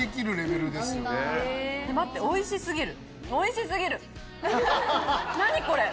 待っておいし過ぎる！